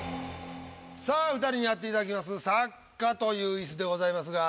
さあ２人にやっていただきます「作家」というイスでございますが。